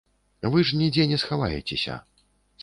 Вы ж нідзе не схаваецеся.